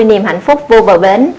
niềm hạnh phúc vô bờ bến